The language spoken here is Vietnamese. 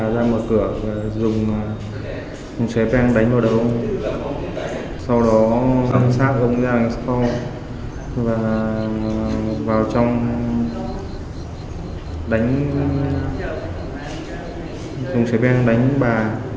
dùng sếp em đánh bà